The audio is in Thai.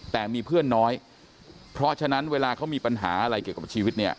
แต่มีเพื่อนน้อยเพราะฉะนั้นเวลาเขามีปัญหาอะไรเกี่ยวกับชีวิตเนี่ย